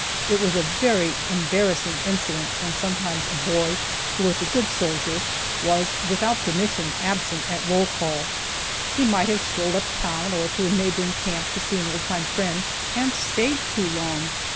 It was a very embarrassing incident when sometimes a boy who was a good soldier was, without permission, absent at roll call. He might have strolled up town, or to a neighboring camp to see an old time friend, and stayed too long.